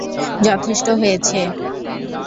যথেষ্ট হয়েছে!